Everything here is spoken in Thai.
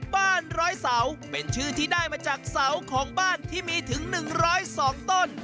บ้านร้อยเสาเป็นชื่อที่ได้มาจากเสาของบ้านที่มีถึง๑๐๒ต้น